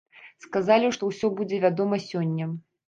Сказалі, што ўсё будзе вядома сёння.